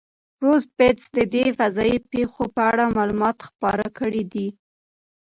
بروس بتز د دې فضایي پیښو په اړه معلومات خپاره کړي دي.